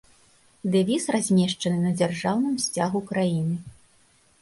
Дэвіз размешчаны на дзяржаўным сцягу краіны.